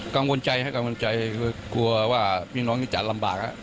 กังวลใจครับกังวลใจกลัวว่าพี่น้องนี่จะลำบากครับ